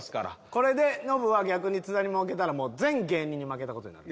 これでノブは逆に津田に負けたらもう全芸人に負けた事になる。